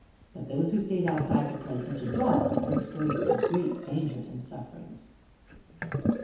But those who stayed outside to play pitch and toss were exposed to great danger and sufferings."